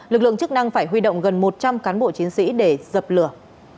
lực lượng chức năng phải huy động gần một trăm linh cán bộ chiến sĩ để dập lửa